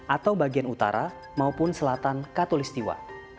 atau bagian utara maupun selatan katolistiwa